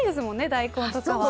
大根とかは。